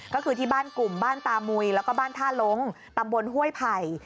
ก็คือที่บ้านกลุ่มบ้านตามุยแล้วก็บ้านท่าลงตำบลห้วยไผ่